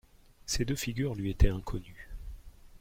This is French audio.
Ces deux figures lui étaient inconnues.